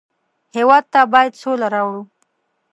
هېواد ته باید سوله راوړو